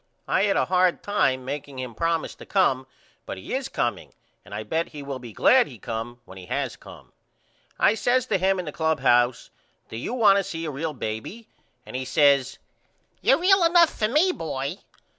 I had a hard time makeing him promise to come but he is comeing and I bet he will be glad he come when he has come. I says to him in the clubhouse Do you want to see a real baby? And he says You're real enough for me Boy.